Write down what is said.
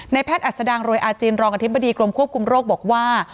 แพทย์อัศดังรวยอาจินรองอธิบดีกรมควบคุมโรคบอกว่า